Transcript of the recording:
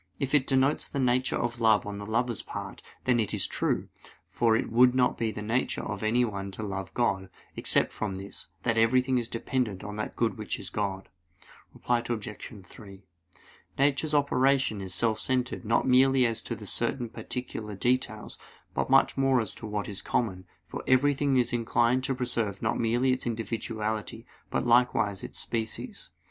If it denotes the nature of love on the lover's part, then it is true; for it would not be in the nature of anyone to love God, except from this that everything is dependent on that good which is God. Reply Obj. 3: Nature's operation is self centered not merely as to certain particular details, but much more as to what is common; for everything is inclined to preserve not merely its individuality, but likewise its species.